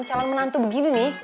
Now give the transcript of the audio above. calon menantu begini nih